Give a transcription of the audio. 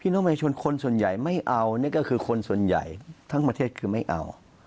น้องประชาชนคนส่วนใหญ่ไม่เอานี่ก็คือคนส่วนใหญ่ทั้งประเทศคือไม่เอา